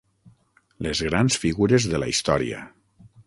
Les grans figures de la història.